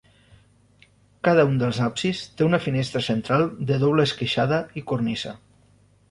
Cada un dels absis té una finestra central de doble esqueixada i cornisa.